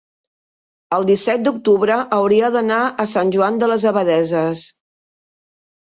el disset d'octubre hauria d'anar a Sant Joan de les Abadesses.